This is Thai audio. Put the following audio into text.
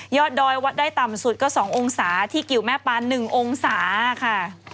ยอดดอยวัดได้ต่ำสุดก็สององศาที่เกี่ยวแม่ปานหนึ่งองศาค่ะ